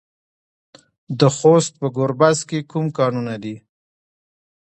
د خوست په ګربز کې کوم کانونه دي؟